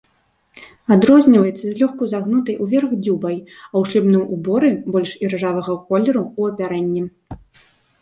Адрозніваецца злёгку загнутай уверх дзюбай, а ў шлюбным уборы больш іржавага колеру ў апярэнні.